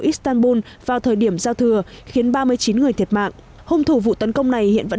istanbul vào thời điểm giao thừa khiến ba mươi chín người thiệt mạng hung thủ vụ tấn công này hiện vẫn